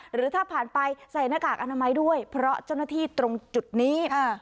หรือถ้าผ่านไปใส่หน้ากากอนามัยด้วยเพราะเจ้าหน้าที่ตรงจุดนี้